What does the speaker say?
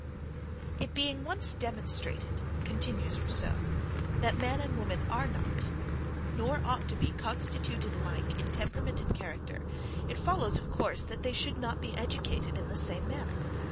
"It being once demonstrated," continues Rousseau, "that man and woman are not, nor ought to be, constituted alike in temperament and character, it follows of course, that they should not be educated in the same manner.